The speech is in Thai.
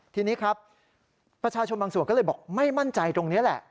ทีนี้ครับประชาชนบางส่วนก็เลยบอกไม่มั่นใจตรงนี้แหละ